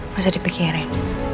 gak usah dipikirin